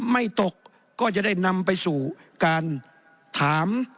ไม่ตกก็จะได้นำไปสู่การถาม